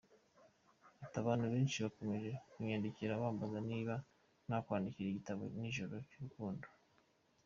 Ati « Abantu benshi bakomeje kunyandikira bambaza niba nakwandika igitabo cy’ijoro ry’urukundo.